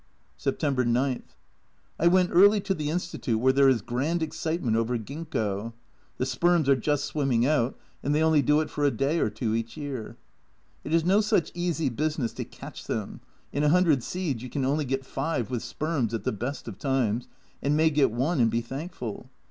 September 9. I went early to the Institute, where there is grand excitement over Ginkgo ; the sperms are just swimming out, and they only do it for a day or two each year. It is no such easy business to catch them, in 100 seeds you can only get five with sperms at the best of times, and may get one and be thankful.